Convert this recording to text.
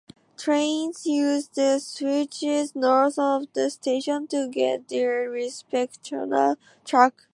Trains use the switches north of the station to get to their respective track.